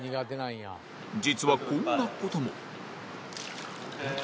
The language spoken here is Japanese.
実はこんな事も